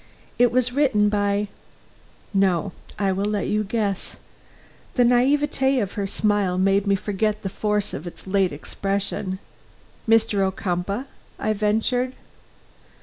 It was written by no, I will let you guess." The naïveté of her smile made me forget the force of its late expression. "Mr. Ocumpaugh?" I ventured.